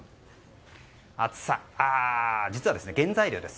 実は原材料です。